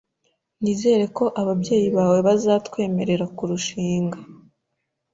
Nizere ko ababyeyi bawe bazatwemerera kurushinga.